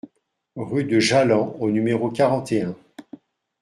Rue de Jallans au numéro quarante et un